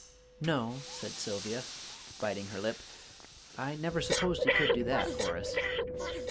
"No," said Sylvia, biting her lip. "I never supposed he could do that, Horace."